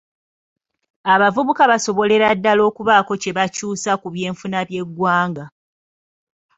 Abavubuka basobolera ddaala okubaako kye bakyusa ku by'ebyenfuna by'eggwanga.